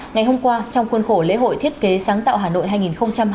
ngày hôm qua trong khuôn khổ lễ hội thiết kế sáng tạo hà nội hai nghìn hai mươi